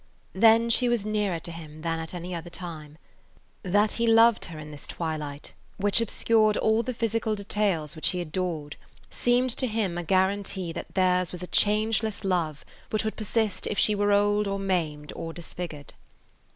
Then she was nearer to him than at any other [Page 71] time. That he loved her in this twilight, which obscured all the physical details which he adored, seemed to him a guarantee that theirs was a changeless love which would persist if she were old or maimed or disfigured.